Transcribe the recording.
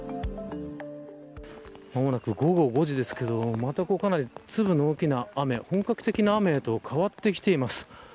間もなく午後５時ですけれどもまた粒の大きな雨、本格的な雨へと変わってきています。